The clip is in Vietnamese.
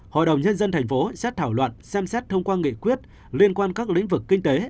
hội đồng nhân dân thành phố sẽ thảo luận xem xét thông qua nghị quyết liên quan các lĩnh vực kinh tế